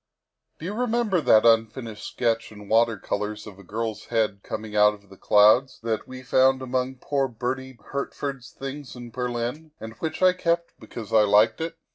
" Do you remember that unfinished sketch in water colors of a girl's head coming out of clouds that we found among poor Bertie Hertford's things in Berlin, and which I kept because I liked it?